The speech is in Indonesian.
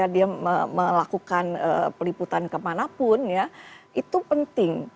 dia melakukan peliputan kemanapun ya itu penting